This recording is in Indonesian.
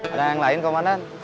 ada yang lain komandan